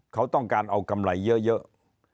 เขาต้องการเอากำไรเยอะ